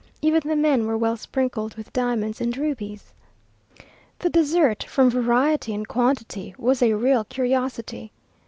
Even the men were well sprinkled with diamonds and rubies. The dessert, from variety and quantity, was a real curiosity.